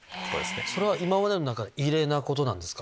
それは今までの中で異例なんですか？